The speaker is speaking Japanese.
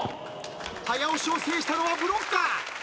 早押しを制したのはブロッカー。